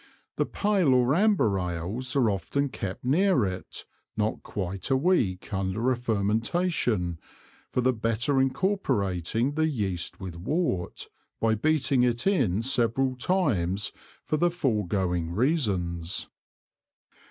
The Pale or Amber Ales are often kept near it, not quite a Week under a fermentation, for the better incorporating the Yeast with Wort, by beating it in several times for the foregoing Reasons.